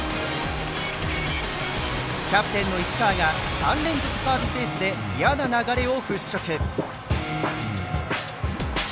キャプテンの石川が３連続サービスエースで嫌な流れを払拭。